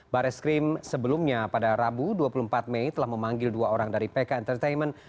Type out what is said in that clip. baris krim sebelumnya pada rabu dua puluh empat mei telah memanggil dua orang dari pk entertainment